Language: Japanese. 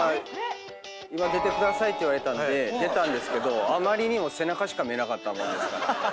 「今出てください」って言われたんで出たんですけどあまりにも背中しか見えなかったもんですから。